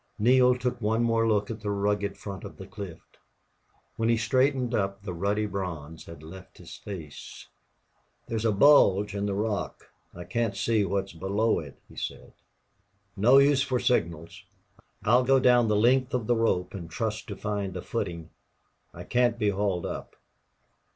Neale took one more look at the rugged front of the cliff. When he straightened up the ruddy bronze had left his face. "There's a bulge of rock. I can't see what's below it," he said. "No use for signals. I'll go down the length of the rope and trust to find a footing. I can't be hauled up."